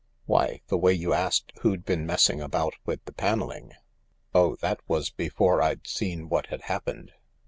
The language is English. "Why, the way you asked who'd been messing about with the panelling." "Oh, that was before I'd seen what had happened.